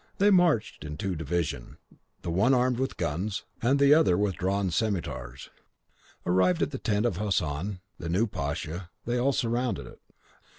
They marched in two divisions, the one armed with guns, the other with drawn scimetars. Arrived at the tent of Hassan, the new Pasha, they all surrounded it.